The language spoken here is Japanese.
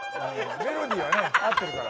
メロディーはね合ってるから。